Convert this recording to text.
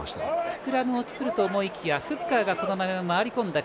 スクラムを作ると思いきやフッカーが回り込んだ。